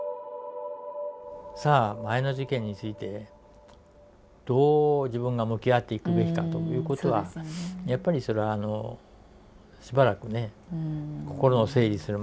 さあ前の事件についてどう自分が向き合っていくべきかということはやっぱりそれはしばらくね心の整理するまで悩みますよね。